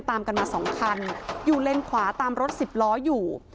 ตามกันมา๒คันอยู่เลนขวาตามรถสิบล้ออยู่